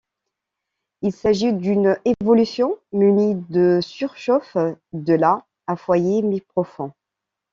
Il s'agit d'une évolution, munie de surchauffe, de la à foyer mi-profond.